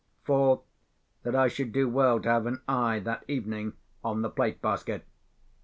Fourth, that I should do well to have an eye, that evening, on the plate basket.